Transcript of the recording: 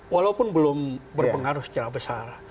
walaupun belum berpengaruh secara besar